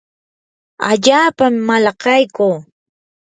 allaapami malaqaykuu.